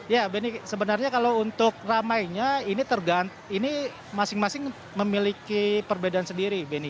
ya benny sebenarnya kalau untuk ramainya ini masing masing memiliki perbedaan sendiri benny